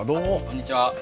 こんにちは。